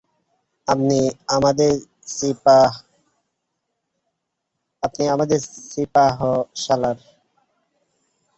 আপনি আমাদের সিপাহসালার।